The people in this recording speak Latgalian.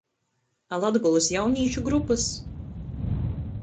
A Latgolys jaunīšu grupys?